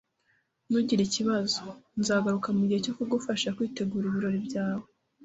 Ntugire ikibazo. Nzagaruka mugihe cyo kugufasha kwitegura ibirori byawe